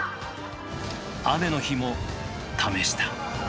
雨の日も試した。